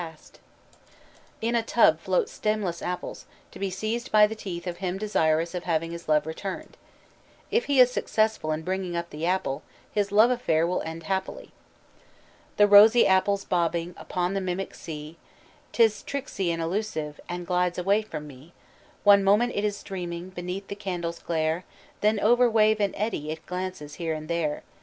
GAY: Pastorals. In a tub float stemless apples, to be seized by the teeth of him desirous of having his love returned. If he is successful in bringing up the apple, his love affair will end happily. "The rosy apple's bobbing Upon the mimic sea 'T is tricksy and elusive, And glides away from me. "One moment it is dreaming Beneath the candle's glare, Then over wave and eddy It glances here and there.